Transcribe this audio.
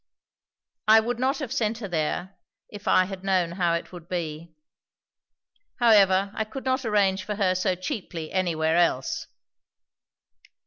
"I would not have sent her there, if I had known how it would be. However, I could not arrange for her so cheaply anywhere else."